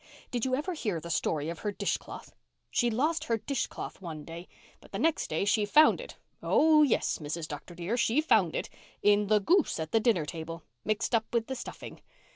Did you ever hear the story of her dishcloth? She lost her dishcloth one day. But the next day she found it. Oh, yes, Mrs. Dr. dear, she found it, in the goose at the dinner table, mixed up with the stuffing.